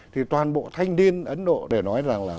thì toàn bộ thanh niên ấn độ để nói rằng là